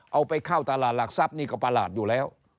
เอาไปเข้าตลาดหลักทรัพย์นี่ก็ประหลาดอยู่แล้ว